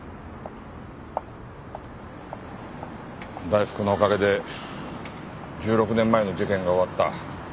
大福のおかげで１６年前の事件が終わった。